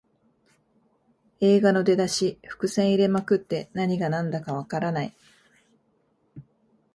映画の出だし、伏線入れまくって何がなんだかわからない